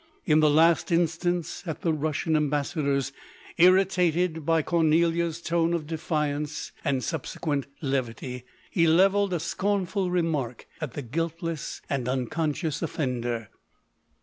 In the last instance, at the Russian Ambassador's, irritated by Cornelia's tone of LODORK. 167 defiance, and subsequent levity, he levelled a scornful remark at the guiltless and unconscious offender.